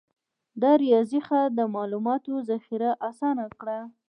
د ریاضي خط د معلوماتو ذخیره آسانه کړه.